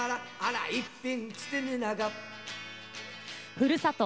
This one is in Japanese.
ふるさと